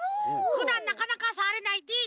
ふだんなかなかさわれない